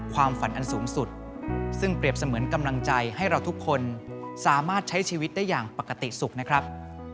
ความฝันอันสูงสุดซึ่งเปรียบเสมือนกำลังใจให้เราทุกคนสามารถใช้ชีวิตได้อย่างปกติสุขนะครับ